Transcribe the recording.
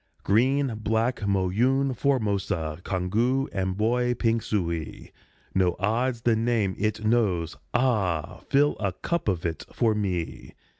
Green, Black, Moyune, Formosa, Congou, Amboy, Pingsuey No odds the name it knows ah! Fill a cup of it for me!